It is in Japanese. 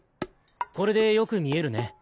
これでよく見えるね。